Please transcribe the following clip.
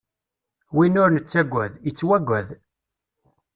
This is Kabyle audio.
Win ur nettaggad, ittwaggad.